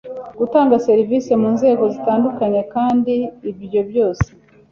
Gutanga serivisi mu nzego zitandukanye, kandi ibyo byose